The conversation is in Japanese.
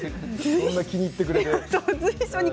そんな気に入ってくれて。